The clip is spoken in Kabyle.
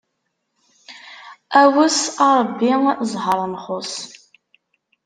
Awes a Ṛebbi, zzheṛ nxuṣ!